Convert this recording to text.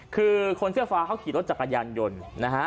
คือคนเสื้อฟ้าเขาขี่รถจักรยานยนต์นะฮะ